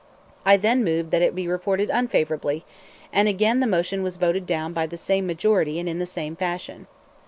I then moved that it be reported unfavorably, and again the motion was voted down by the same majority and in the same fashion.